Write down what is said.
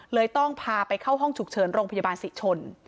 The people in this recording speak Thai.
เลยต้องพาไปเข้าห้องฉุกเฉินโรงพยาบาลศรีชน